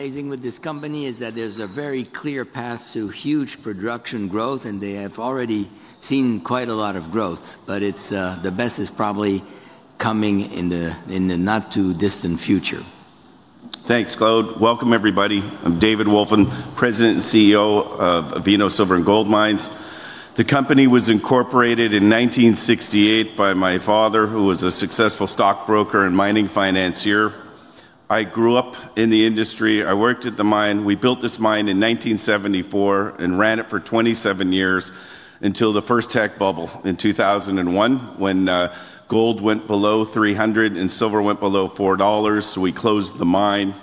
Amazing with this company is that there's a very clear path to huge production growth, and they have already seen quite a lot of growth. It's the best is probably coming in the not-too-distant future. Thanks, Claude. Welcome, everybody. I'm David Wolfin, President and CEO of Avino Silver & Gold Mines. The company was incorporated in 1968 by my father, who was a successful stockbroker and mining financier. I grew up in the industry. I worked at the mine. We built this mine in 1974 and ran it for 27 years until the first tech bubble in 2001, when gold went below $300 and silver went below $4. We closed the mine.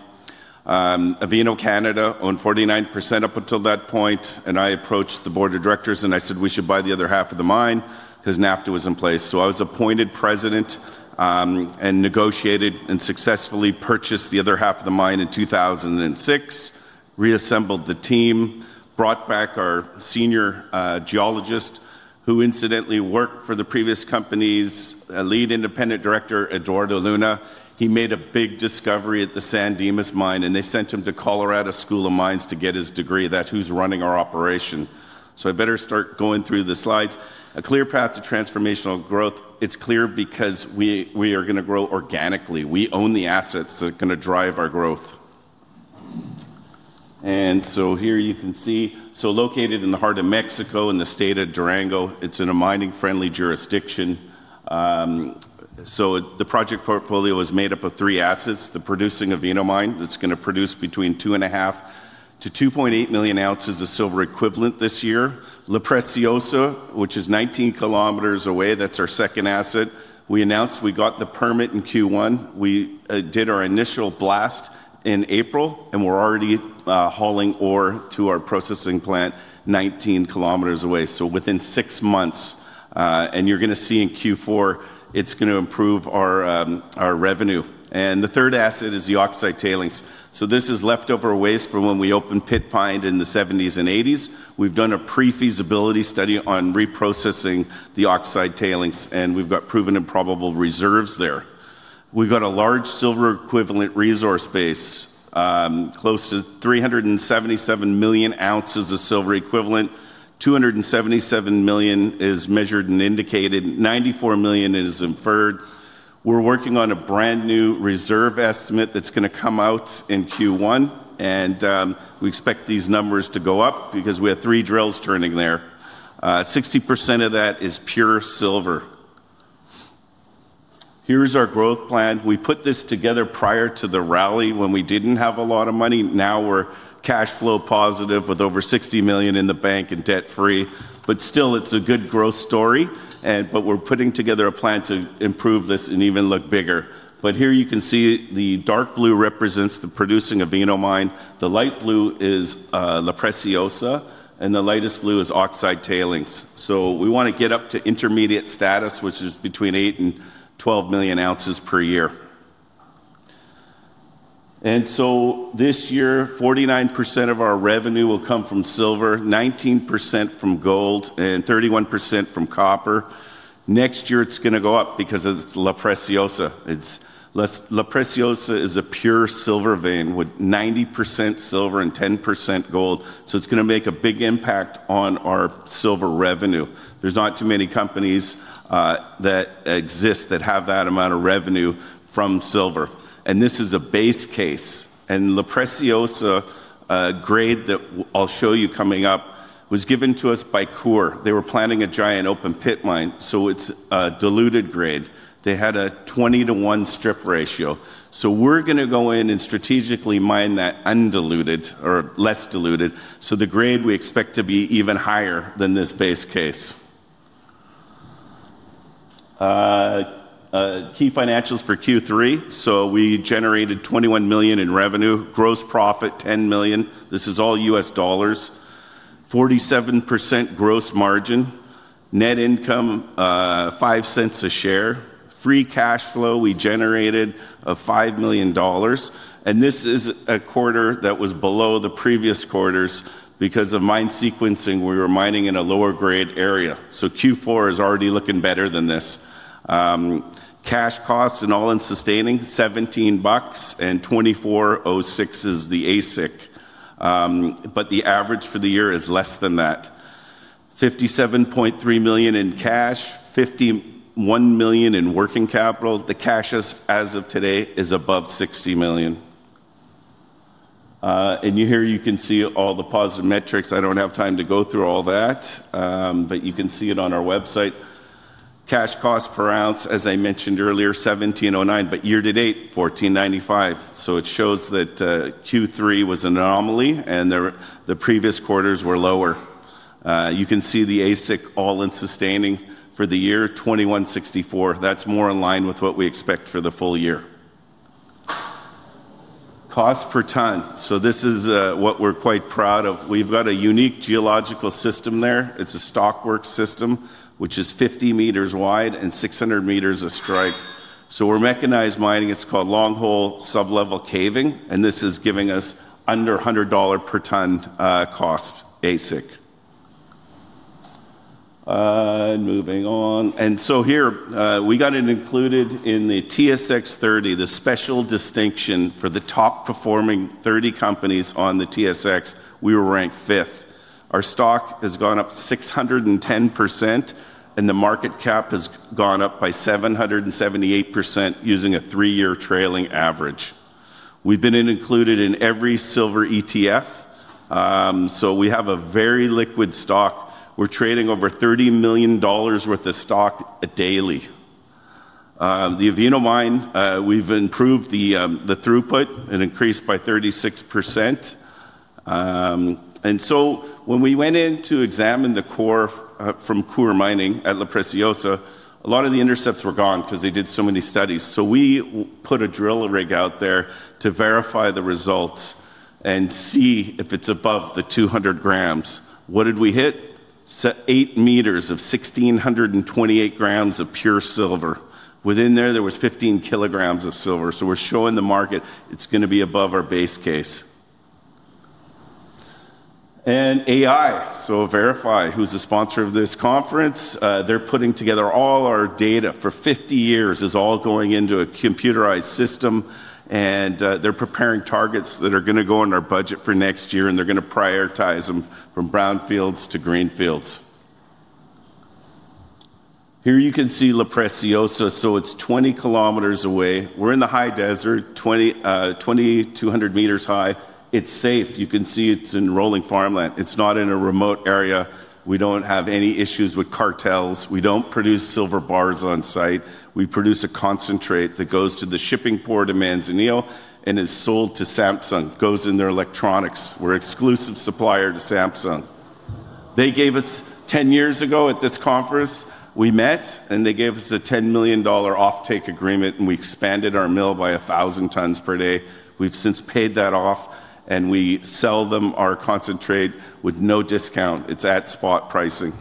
Avino Canada owned 49% up until that point. I approached the board of directors and I said, "We should buy the other half of the mine," because NAFTA was in place. I was appointed president and negotiated and successfully purchased the other half of the mine in 2006, reassembled the team, brought back our senior geologist, who incidentally worked for the previous company's lead independent director, Eduardo Luna. He made a big discovery at the San Dimas Mine, and they sent him to Colorado School of Mines to get his degree. That's who's running our operation. I better start going through the slides. A clear path to transformational growth. It's clear because we are going to grow organically. We own the assets that are going to drive our growth. Here you can see, located in the heart of Mexico, in the state of Durango, it's in a mining-friendly jurisdiction. The project portfolio is made up of three assets: the producing Avino mine, that's going to produce between 2.5 million-2.8 million ounces of silver equivalent this year; La Preciosa, which is 19 kilometers away, that's our second asset. We announced we got the permit in Q1. We did our initial blast in April, and we're already hauling ore to our processing plant 19 km away. Within six months, you're going to see in Q4, it's going to improve our revenue. The third asset is the oxide tailings. This is leftover waste from when we opened Pitt Pine in the 1970s and 1980s. We've done a pre-feasibility study on reprocessing the oxide tailings, and we've got proven and probable reserves there. We've got a large silver equivalent resource base, close to 377 million ounces of silver equivalent. 277 million is measured and indicated. 94 million is inferred. We're working on a brand new reserve estimate that's going to come out in Q1. We expect these numbers to go up because we have three drills turning there. 60% of that is pure silver. Here's our growth plan. We put this together prior to the rally when we did not have a lot of money. Now we are cash flow positive with over $60 million in the bank and debt-free. It is a good growth story. We are putting together a plan to improve this and even look bigger. Here you can see the dark blue represents the producing Avino mine. The light blue is La Preciosa, and the lightest blue is oxide tailings. We want to get up to intermediate status, which is between 8-12 million ounces per year. This year, 49% of our revenue will come from silver, 19% from gold, and 31% from copper. Next year, it is going to go up because of La Preciosa. La Preciosa is a pure silver vein with 90% silver and 10% gold. It is going to make a big impact on our silver revenue. There's not too many companies that exist that have that amount of revenue from silver. This is a base case. The La Preciosa grade that I'll show you coming up was given to us by Kuhr. They were planning a giant open pit mine, so it's a diluted grade. They had a 20-1 strip ratio. We are going to go in and strategically mine that undiluted or less diluted. The grade we expect to be even higher than this base case. Key financials for Q3. We generated $21 million in revenue. Gross profit, $10 million. This is all U.S. dollars. 47% gross margin. Net income, $0.05 a share. Free cash flow we generated of $5 million. This is a quarter that was below the previous quarters because of mine sequencing. We were mining in a lower grade area. Q4 is already looking better than this. Cash costs and all-in sustaining, $17 and $24.06 is the AISC. The average for the year is less than that. $57.3 million in cash, $51 million in working capital. The cash as of today is above $60 million. You can see all the positive metrics. I do not have time to go through all that, but you can see it on our website. Cash cost per ounce, as I mentioned earlier, $17.09, but year to date, $14.95. It shows that Q3 was an anomaly and the previous quarters were lower. You can see the AISC all-in sustaining for the year, $21.64. That is more in line with what we expect for the full year. Cost per ton. This is what we are quite proud of. We have got a unique geological system there. It's a stockwork system, which is 50 meters wide and 600 meters a strike. We're mechanized mining. It's called long hole sublevel caving. This is giving us under $100 per ton cost AISC. Moving on. Here, we got included in the TSX 30, the special distinction for the top performing 30 companies on the TSX. We were ranked fifth. Our stock has gone up 610%, and the market cap has gone up by 778% using a three-year trailing average. We've been included in every silver ETF. We have a very liquid stock. We're trading over $30 million worth of stock daily. The Avino mine, we've improved the throughput and increased by 36%. When we went in to examine the core from Kuhr Mining at La Preciosa, a lot of the intercepts were gone because they did so many studies. We put a drill rig out there to verify the results and see if it's above the 200 grams. What did we hit? 8 meters of 1,628 grams of pure silver. Within there, there was 15 kilograms of silver. We're showing the market it's going to be above our base case. AI, so verify who's the sponsor of this conference. They're putting together all our data for 50 years. It's all going into a computerized system. They're preparing targets that are going to go in our budget for next year, and they're going to prioritize them from brownfields to greenfields. Here you can see La Preciosa. It's 20 kilometers away. We're in the high desert, 2,200 meters high. It's safe. You can see it's in rolling farmland. It's not in a remote area. We don't have any issues with cartels. We do not produce silver bars on site. We produce a concentrate that goes to the shipping port of Manzanillo and is sold to Samsung. It goes in their electronics. We are an exclusive supplier to Samsung. They gave us 10 years ago at this conference. We met, and they gave us a $10 million off-take agreement, and we expanded our mill by 1,000 tons per day. We have since paid that off, and we sell them our concentrate with no discount. It is at spot pricing.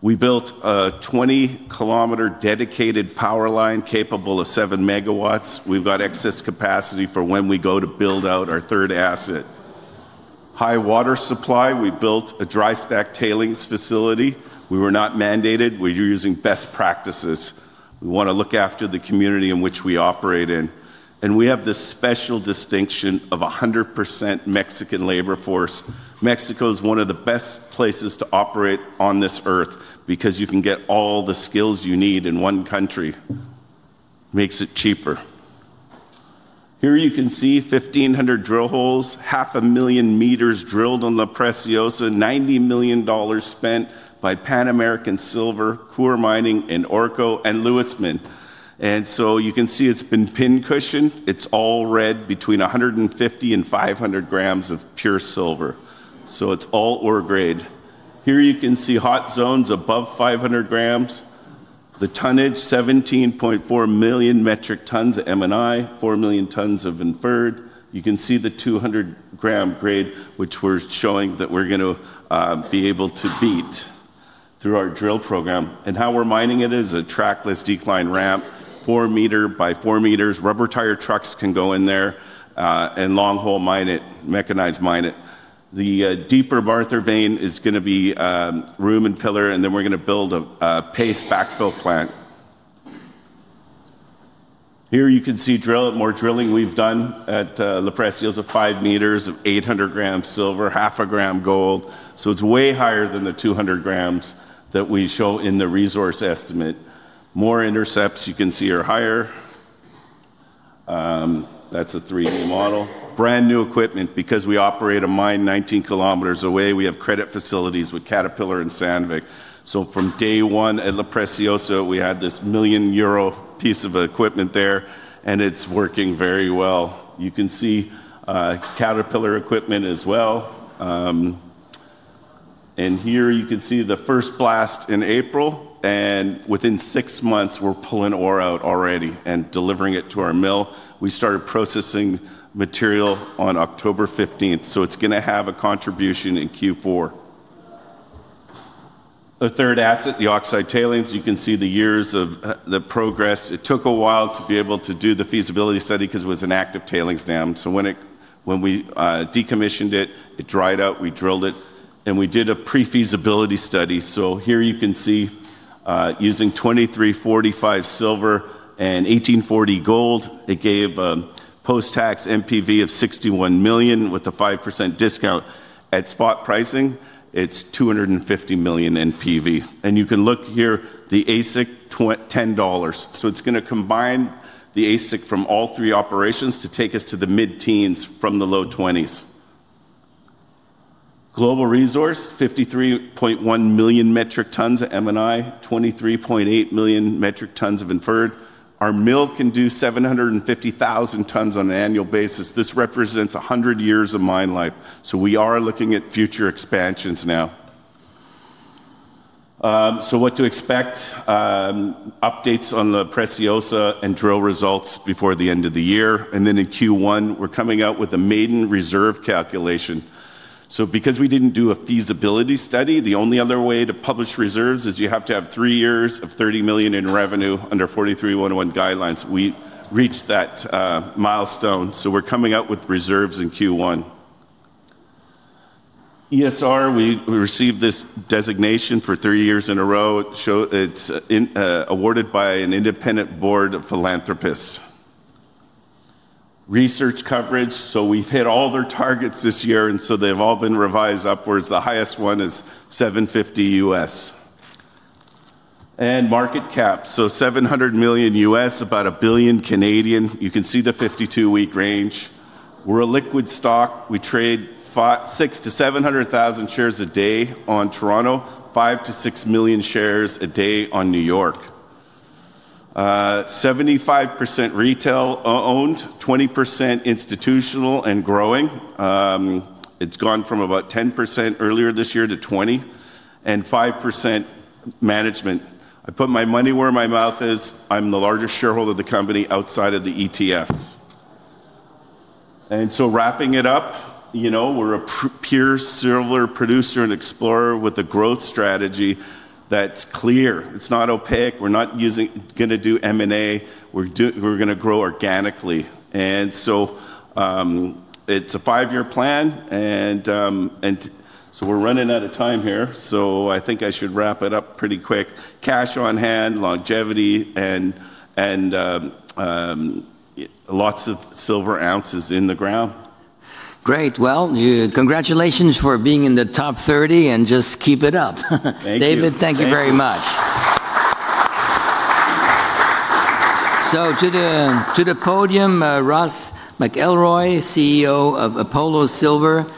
We built a 20-kilometer dedicated power line capable of 7 megawatts. We have got excess capacity for when we go to build out our third asset. High water supply. We built a dry-stack tailings facility. We were not mandated. We are using best practices. We want to look after the community in which we operate in. We have this special distinction of 100% Mexican labor force. Mexico is one of the best places to operate on this earth because you can get all the skills you need in one country. Makes it cheaper. Here you can see 1,500 drill holes, 500,000 meters drilled on La Preciosa, $90 million spent by Pan American Silver, Kuhr Mining, and Orco and Lewisman. You can see it's been pin-cushioned. It's all red, between 150 and 500 grams of pure silver. It's all ore grade. Here you can see hot zones above 500 grams. The tonnage, 17.4 million metric tons of M&I, 4 million tons of inferred. You can see the 200-gram grade, which we're showing that we're going to be able to beat through our drill program. How we're mining it is a trackless decline ramp, 4 meter by 4 meters. Rubber tire trucks can go in there and long hole mine it, mechanized mine it. The deeper Barther vein is going to be room and pillar, and then we're going to build a paste backfill plant. Here you can see more drilling we've done at La Preciosa, 5 meters of 800 grams silver, half a gram gold. It is way higher than the 200 grams that we show in the resource estimate. More intercepts you can see are higher. That is a 3D model. Brand new equipment because we operate a mine 19 kilometers away. We have credit facilities with Caterpillar and Sandvik. From day one at La Preciosa, we had this million EUR piece of equipment there, and it is working very well. You can see Caterpillar equipment as well. Here you can see the first blast in April. Within six months, we're pulling ore out already and delivering it to our mill. We started processing material on October 15th. It's going to have a contribution in Q4. The third asset, the oxide tailings, you can see the years of the progress. It took a while to be able to do the feasibility study because it was an active tailings dam. When we decommissioned it, it dried out. We drilled it. We did a pre-feasibility study. Here you can see using $23.45 silver and $1,840 gold, it gave a post-tax NPV of $61 million with a 5% discount. At spot pricing, it's $250 million NPV. You can look here, the AISC, $10. It's going to combine the AISC from all three operations to take us to the mid-teens from the low 20s. Global resource, 53.1 million metric tons of M&I, 23.8 million metric tons of inferred. Our mill can do 750,000 tons on an annual basis. This represents 100 years of mine life. We are looking at future expansions now. What to expect? Updates on La Preciosa and drill results before the end of the year. In Q1, we're coming out with a maiden reserve calculation. Because we didn't do a feasibility study, the only other way to publish reserves is you have to have three years of $30 million in revenue under 4311 guidelines. We reached that milestone. We're coming out with reserves in Q1. ESR, we received this designation for three years in a row. It's awarded by an independent board of philanthropists. Research coverage. We've hit all their targets this year, and they've all been revised upwards. The highest one is $750 U.S. and market cap. So $700 million U.S., about 1 billion. You can see the 52-week range. We're a liquid stock. We trade 600,000-700,000 shares a day on Toronto, 5 million-6 million shares a day on New York. 75% retail-owned, 20% institutional and growing. It's gone from about 10% earlier this year to 20% and 5% management. I put my money where my mouth is. I'm the largest shareholder of the company outside of the ETF. And so wrapping it up, you know we're a pure silver producer and explorer with a growth strategy that's clear. It's not opaque. We're not going to do M&A. We're going to grow organically. And so it's a five-year plan. And so we're running out of time here. So I think I should wrap it up pretty quick. Cash on hand, longevity, and lots of silver ounces in the ground. Great. Congratulations for being in the top 30 and just keep it up. Thank you, David. Thank you very much. To the podium, Ross McElroy, CEO of Apollo Silver.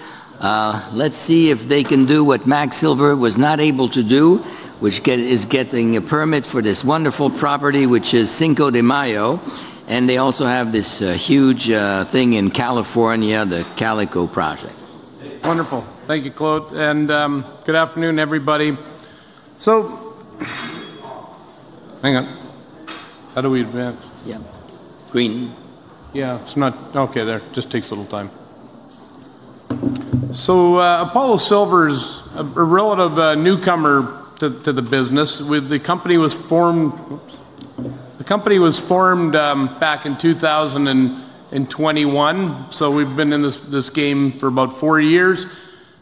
Let's see if they can do what Mag Silver was not able to do, which is getting a permit for this wonderful property, which is Cinco de Mayo. They also have this huge thing in California, the Calico project. Wonderful. Thank you, Claude. Good afternoon, everybody. Hang on. How do we advance? Yeah. Green. Yeah. It's not okay there. Just takes a little time. Apollo Silver is a relative newcomer to the business. The company was formed back in 2021. We've been in this game for about four years.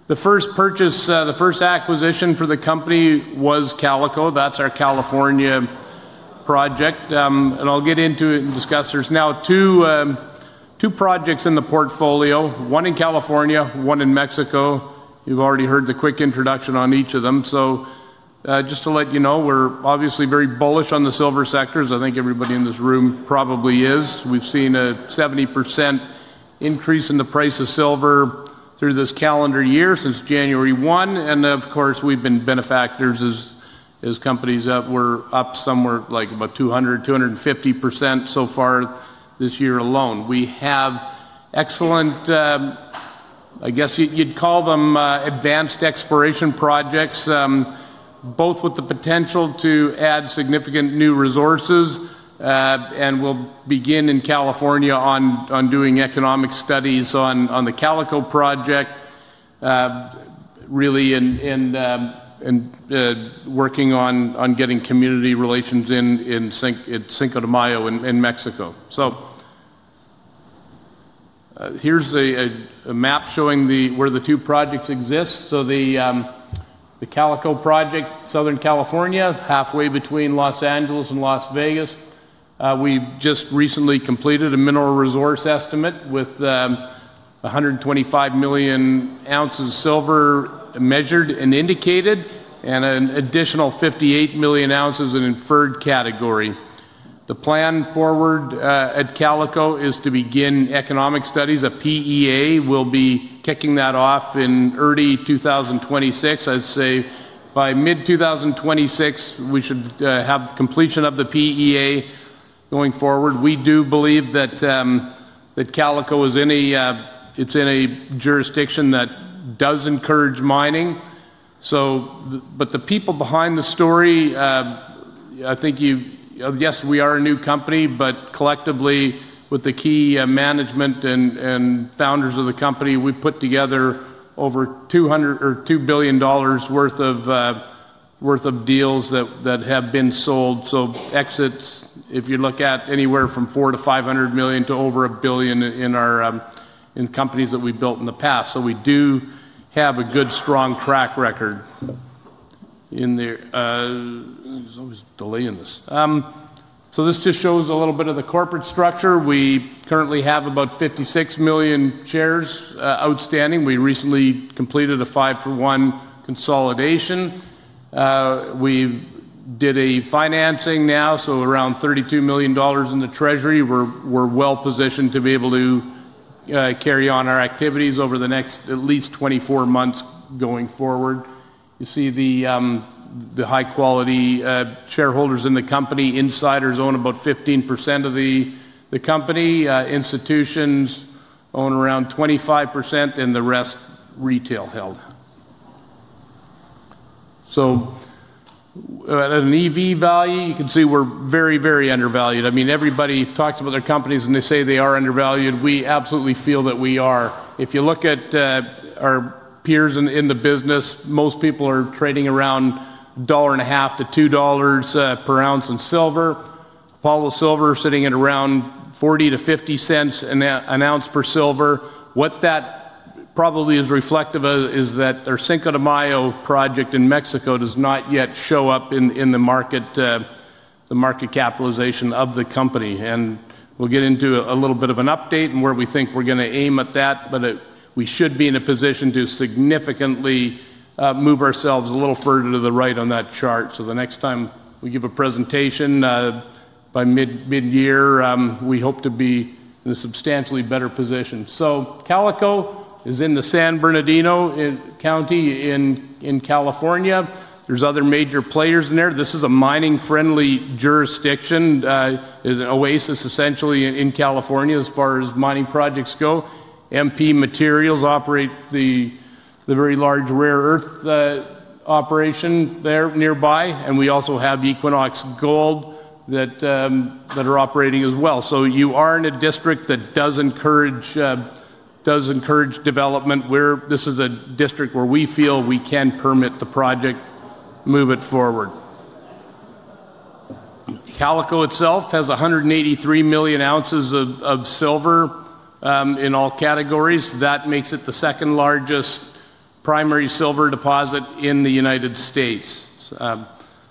The first purchase, the first acquisition for the company was Calico. That's our California project. I'll get into it and discuss. There are now two projects in the portfolio, one in California, one in Mexico. You've already heard the quick introduction on each of them. Just to let you know, we're obviously very bullish on the silver sectors. I think everybody in this room probably is. We've seen a 70% increase in the price of silver through this calendar year since January 1. Of course, we've been benefactors as companies that were up somewhere like about 200%-250% so far this year alone. We have excellent, I guess you'd call them advanced exploration projects, both with the potential to add significant new resources. We'll begin in California on doing economic studies on the Calico project, really working on getting community relations in Cinco de Mayo in Mexico. Here's a map showing where the two projects exist. The Calico project, Southern California, halfway between Los Angeles and Las Vegas. We've just recently completed a mineral resource estimate with 125 million ounces of silver measured and indicated and an additional 58 million ounces in inferred category. The plan forward at Calico is to begin economic studies. A PEA will be kicking that off in early 2026. I'd say by mid-2026, we should have completion of the PEA going forward. We do believe that Calico is in a jurisdiction that does encourage mining. The people behind the story, I think you yes, we are a new company, but collectively, with the key management and founders of the company, we've put together over $2 billion worth of deals that have been sold. Exits, if you look at anywhere from $400 million-$500 million to over $1 billion in companies that we built in the past. We do have a good, strong track record. There is always a delay in this. This just shows a little bit of the corporate structure. We currently have about 56 million shares outstanding. We recently completed a five-for-one consolidation. We did a financing now, so around $32 million in the treasury. We are well positioned to be able to carry on our activities over the next at least 24 months going forward. You see the high-quality shareholders in the company. Insiders own about 15% of the company. Institutions own around 25%, and the rest is retail held. At an EV value, you can see we are very, very undervalued. I mean, everybody talks about their companies, and they say they are undervalued. We absolutely feel that we are. If you look at our peers in the business, most people are trading around $1.50-$2 per ounce in silver. Apollo Silver is sitting at around $0.40-$0.50 an ounce per silver. What that probably is reflective of is that our Cinco de Mayo project in Mexico does not yet show up in the market capitalization of the company. We will get into a little bit of an update and where we think we are going to aim at that. We should be in a position to significantly move ourselves a little further to the right on that chart. The next time we give a presentation by mid-year, we hope to be in a substantially better position. Calico is in San Bernardino County in California. There are other major players in there. This is a mining-friendly jurisdiction, an oasis essentially in California as far as mining projects go. MP Materials operates the very large rare earth operation there nearby. We also have Equinox Gold that are operating as well. You are in a district that does encourage development. This is a district where we feel we can permit the project, move it forward. Calico itself has 183 million ounces of silver in all categories. That makes it the second largest primary silver deposit in the United States. It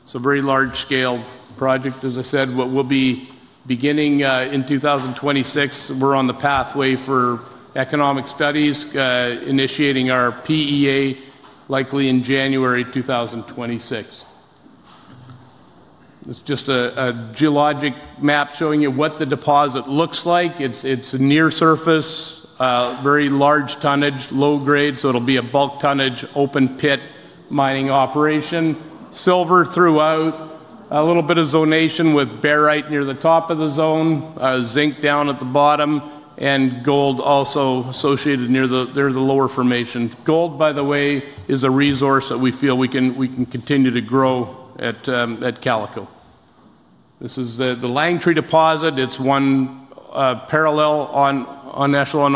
is a very large-scale project. As I said, what we'll be beginning in 2026, we're on the pathway for economic studies, initiating our PEA likely in January 2026. It is just a geologic map showing you what the deposit looks like. It is near surface, very large tonnage, low grade. It will be a bulk tonnage, open pit mining operation. Silver throughout, a little bit of zonation with barite near the top of the zone, zinc down at the bottom, and gold also associated near the lower formation. Gold, by the way, is a resource that we feel we can continue to grow at Calico. This is the Langtree deposit. It's one parallel on National and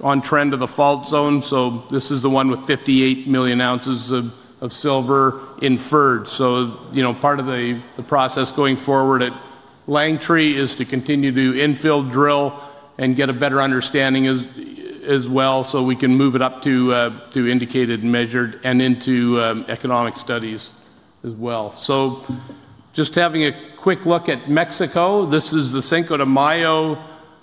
on trend of the fault zone. This is the one with 58 million ounces of silver inferred. Part of the process going forward at Langtree is to continue to infill, drill, and get a better understanding as well so we can move it up to indicated and measured and into economic studies as well. Just having a quick look at Mexico. This is the Cinco de Mayo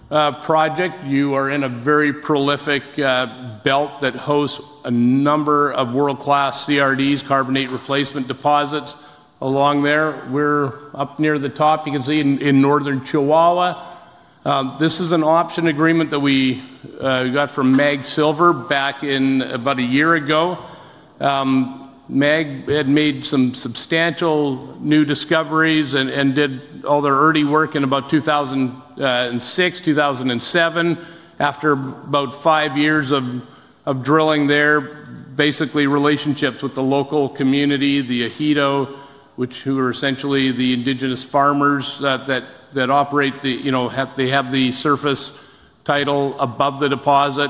project. You are in a very prolific belt that hosts a number of world-class CRDs, carbonate replacement deposits along there. We're up near the top. You can see in Northern Chihuahua. This is an option agreement that we got from Mag Silver back in about a year ago. Mag had made some substantial new discoveries and did all their early work in about 2006, 2007. After about five years of drilling there, basically relationships with the local community, the Ejido, who are essentially the indigenous farmers that operate the surface title above the deposit.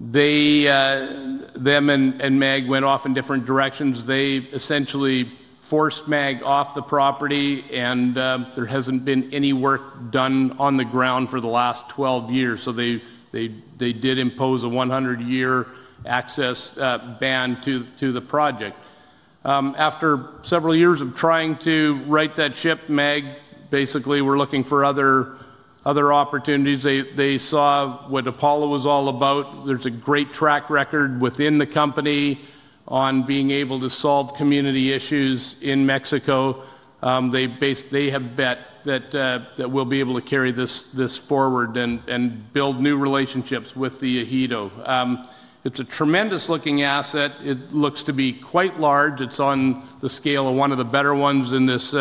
Them and Mag went off in different directions. They essentially forced Mag off the property, and there hasn't been any work done on the ground for the last 12 years. They did impose a 100-year access ban to the project. After several years of trying to right that ship, Mag basically were looking for other opportunities. They saw what Apollo was all about. There's a great track record within the company on being able to solve community issues in Mexico. They have bet that we'll be able to carry this forward and build new relationships with the Ejido. It's a tremendous-looking asset. It looks to be quite large. It's on the scale of one of the better ones in this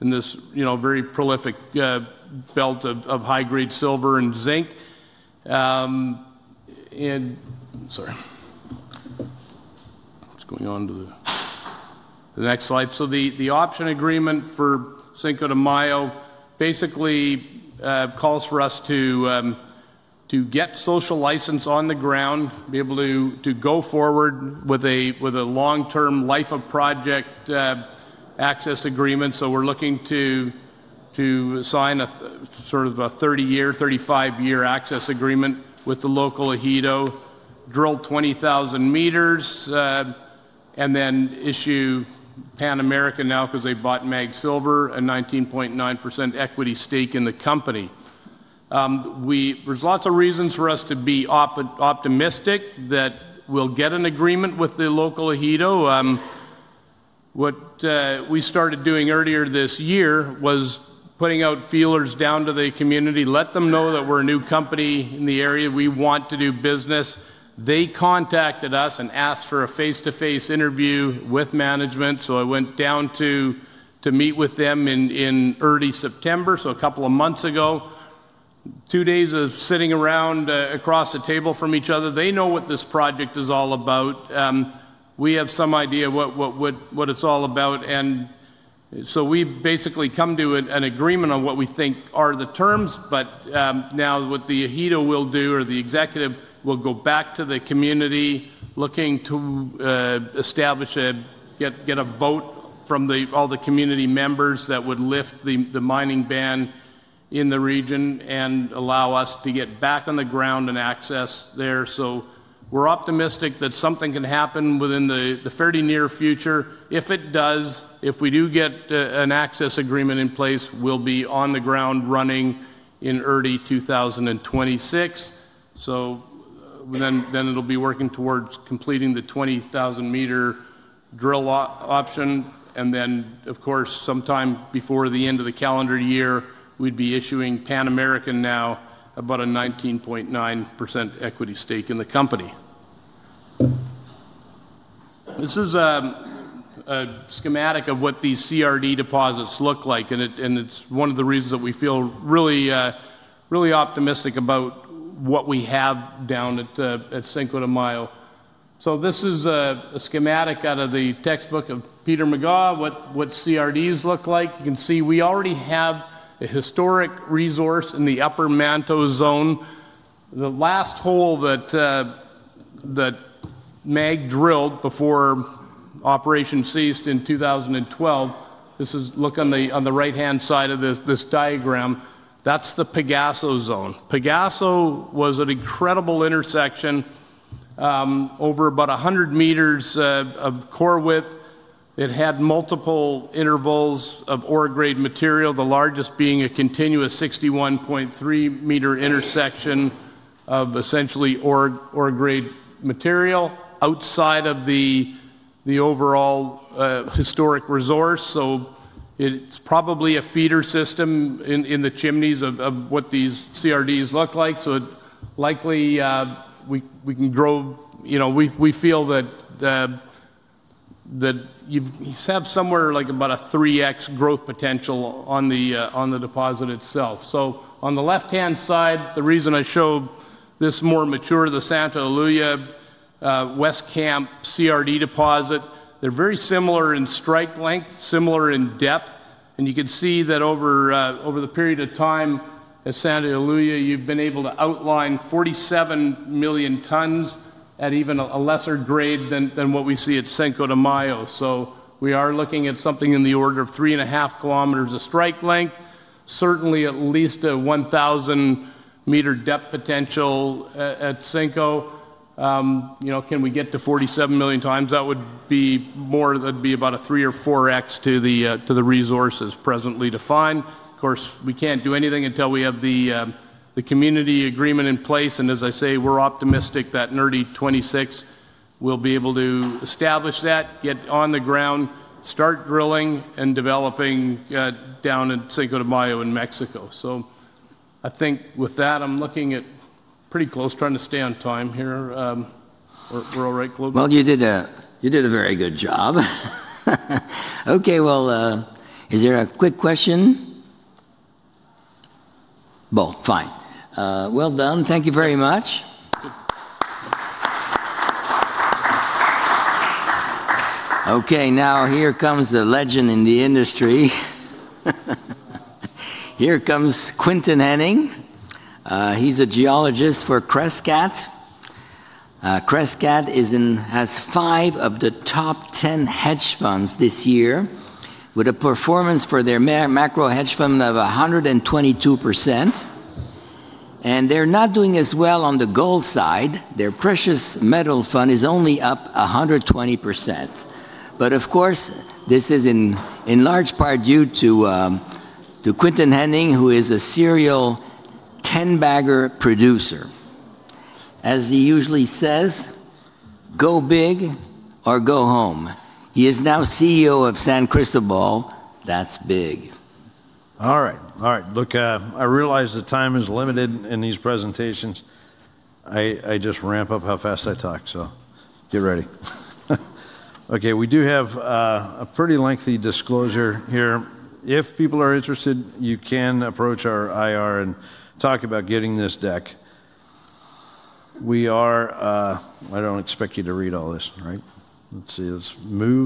very prolific belt of high-grade silver and zinc. Sorry. Going on to the next slide. The option agreement for Cinco de Mayo basically calls for us to get social license on the ground, be able to go forward with a long-term life of project access agreement. We're looking to sign a sort of 30-year, 35-year access agreement with the local Ejido, drill 20,000 meters, and then issue Pan American now, because they bought Mag Silver, a 19.9% equity stake in the company. There's lots of reasons for us to be optimistic that we'll get an agreement with the local Ejido. What we started doing earlier this year was putting out feelers down to the community, let them know that we're a new company in the area. We want to do business. They contacted us and asked for a face-to-face interview with management. I went down to meet with them in early September, a couple of months ago. Two days of sitting around across the table from each other. They know what this project is all about. We have some idea what it's all about. We basically come to an agreement on what we think are the terms. What the Ajito will do or the executive will go back to the community looking to establish, get a vote from all the community members that would lift the mining ban in the region and allow us to get back on the ground and access there. We are optimistic that something can happen within the fairly near future. If it does, if we do get an access agreement in place, we will be on the ground running in early 2026. It will be working towards completing the 20,000-meter drill option. Of course, sometime before the end of the calendar year, we would be issuing Pan American now about a 19.9% equity stake in the company. This is a schematic of what these CRD deposits look like. It is one of the reasons that we feel really optimistic about what we have down at Cinco de Mayo. This is a schematic out of the textbook of Peter Megaw, what CRDs look like. You can see we already have a historic resource in the upper manto zone. The last hole that Mag drilled before operation ceased in 2012, this is look on the right-hand side of this diagram. That's the Pegaso zone. Pegaso was an incredible intersection over about 100 meters of core width. It had multiple intervals of ore-grade material, the largest being a continuous 61.3-meter intersection of essentially ore-grade material outside of the overall historic resource. It's probably a feeder system in the chimneys of what these CRDs look like. Likely we can grow, we feel that you have somewhere like about a 3x growth potential on the deposit itself. On the left-hand side, the reason I show this more mature, the Santa Eulalia West Camp CRD deposit. They're very similar in strike length, similar in depth. You can see that over the period of time at Santa Eulalia, you've been able to outline 47 million tons at even a lesser grade than what we see at Cinco de Mayo. We are looking at something in the order of 3.5 kilometers of strike length, certainly at least a 1,000-meter depth potential at Cinco. Can we get to 47 million tons? That would be about a three or four X to the resources presently defined. Of course, we can't do anything until we have the community agreement in place. As I say, we're optimistic that NERDI 26 will be able to establish that, get on the ground, start drilling and developing down at Cinco de Mayo in Mexico. I think with that, I'm looking at pretty close, trying to stay on time here. We're all right globally? You did a very good job. Is there a quick question? Both. Fine. Well done. Thank you very much. Now here comes the legend in the industry. Here comes Quinton Henning. He's a geologist for Crescat. Crescat has five of the top 10 hedge funds this year with a performance for their macro hedge fund of 122%. They're not doing as well on the gold side. Their precious metal fund is only up 120%. Of course, this is in large part due to Quinton Henning, who is a serial 10-bagger producer. As he usually says, "Go big or go home." He is now CEO of San Cristóbal. That's big. All right. I realize the time is limited in these presentations. I just ramp up how fast I talk, so get ready. Okay. We do have a pretty lengthy disclosure here. If people are interested, you can approach our IR and talk about getting this deck. I don't expect you to read all this, right? Let's see. Let's move.